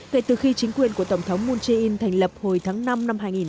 kể từ khi chính quyền của tổng thống moon jae in thành lập hồi tháng năm năm hai nghìn một mươi